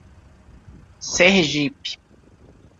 Sergipe